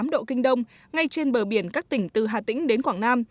một trăm linh tám độ kinh đông ngay trên bờ biển các tỉnh từ hà tĩnh đến quảng nam